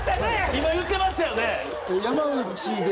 今言ってましたよね？